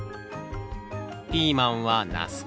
ピーマンはナス科。